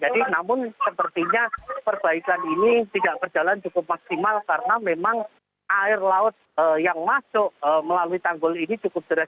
jadi namun sepertinya perbaikan ini tidak berjalan cukup maksimal karena memang air laut yang masuk melalui tanggul ini cukup jelas